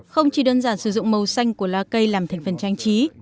không chỉ đơn giản sử dụng màu xanh của lá cây làm thành phần trang trí